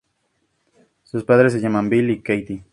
Sus padres se llaman Bill y Katie.